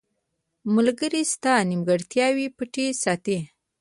• ملګری ستا نیمګړتیاوې پټې ساتي.